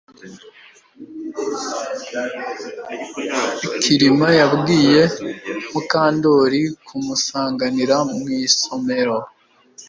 Kirima yabwiye Mukandoli kumusanganira mu isomero